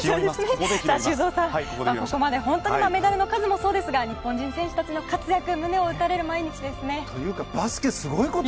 本当にメダルの数もそうですが日本人選手の活躍胸を打たれる毎日ですね。